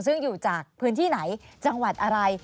ซึ่งอยู่จากพื้นที่ไหนจังหวัดอะไร